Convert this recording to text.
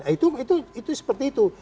itu seperti itu